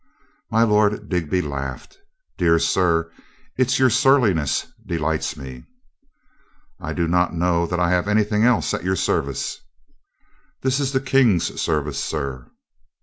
My Lord Digby laughed. "Dear sir, it's your surliness delights me." "I do not know that I have anything else at your service." "This is the King's service, sir."